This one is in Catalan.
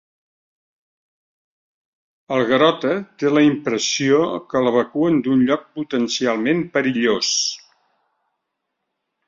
El Garota té la impressió que l'evacuen d'un lloc potencialment perillós.